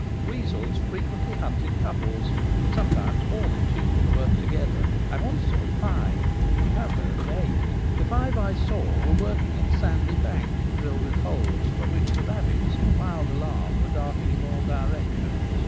Weasels frequently hunt in couples, and sometimes more than two will work together. I once saw five, and have heard of eight. The five I saw were working a sandy bank drilled with holes, from which the rabbits in wild alarm were darting in all directions.